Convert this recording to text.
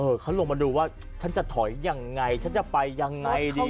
เขาลงมาดูว่าฉันจะถอยยังไงฉันจะไปยังไงดี